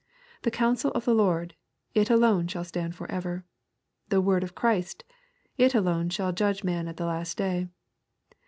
The counsel of the Lord, — it alone shall stand for ever. The word of Christ, — it alone shall judge man at the last day.